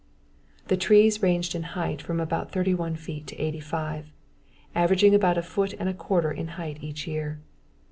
The trees ranged in height from about 31 feet to 85, averaging about a foot and a quarter in height each year.